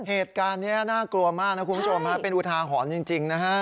เหตุการณ์นี้น่ากลัวมากนะคุณผู้ชมฮะเป็นอุทาหรณ์จริงนะฮะ